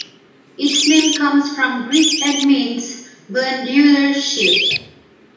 Its name comes from Greek and means "glandular shield".